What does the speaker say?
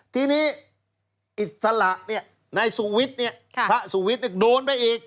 ทีนี้อิสระในสวิทย์นี่พระสวิทย์นี่โดนไปอีก